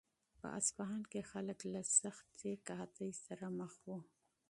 په اصفهان کې خلک له سختې قحطۍ سره مخ وو.